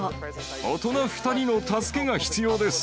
大人２人の助けが必要です。